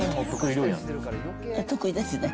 得意ですね。